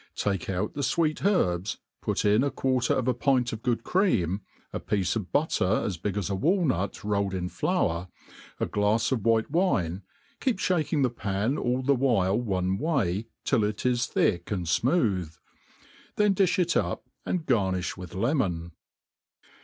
Take one the fweet iNrrbi, t^ot iri a quarter df a pint of gdod eream, a piece of bat ter as big as ai walftut rolled in fldur, a glafs of wtiite wine, keep fhaking the pan all the while one way^ till it is tbiek and fmooth ; then difix it up, and garni(h with lemon.